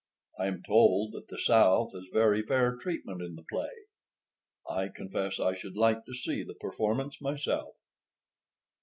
I am told that the South has very fair treatment in the play. I confess I should like to see the performance myself."